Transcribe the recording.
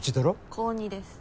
高２です！